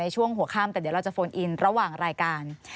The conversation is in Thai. ช่วงหัวข้ามแต่เดี๋ยวเราจะโฟนอินระหว่างรายการ